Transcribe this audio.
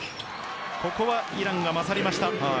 ここはイランが勝りました。